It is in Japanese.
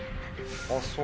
あっそう。